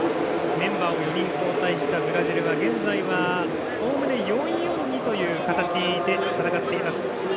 メンバーを５人交代したブラジルは現在はおおむね４−４−２という形で戦っています。